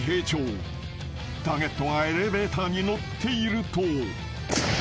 ［ターゲットがエレベーターに乗っていると］